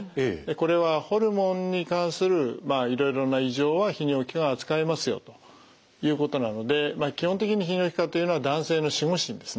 これはホルモンに関するいろいろな異常は泌尿器科が扱いますよということなので基本的に泌尿器科というのは男性の守護神ですね。